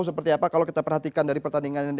seperti apa kalau kita perhatikan dari pertandingan ini